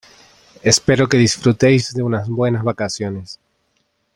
Espero que disfrutéis de unas buenas vacaciones.